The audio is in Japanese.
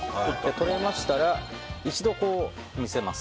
とれましたら一度見せます。